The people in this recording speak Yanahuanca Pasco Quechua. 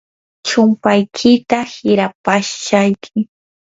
chumpaykita hirapashayki.